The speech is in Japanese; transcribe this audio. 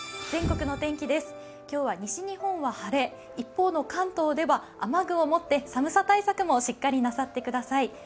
今日は西日本は晴れ、一方の関東では雨具を持って寒さ対策もしっかりなさってください。